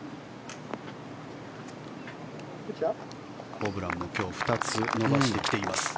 ホブランも今日２つ伸ばしてきています。